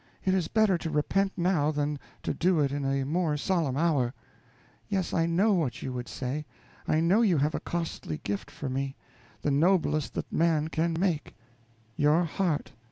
It is better to repent now than to do it in a more solemn hour. Yes, I know what you would say. I know you have a costly gift for me the noblest that man can make _your heart!